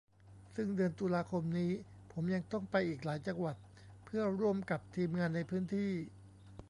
ซึ่งเดือนตุลาคมนี้ผมยังต้องไปอีกหลายจังหวัด เพื่อร่วมกับทีมงานในพื้นที่